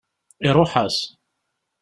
Iṛuḥ-as.